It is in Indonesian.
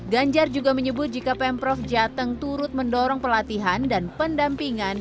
ganjar juga menyebut jika pemprov jateng turut mendorong pelatihan dan pendampingan